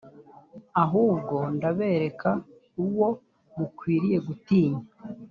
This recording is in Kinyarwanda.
ahubwo ndabereka uwo mukwiriye gutinya.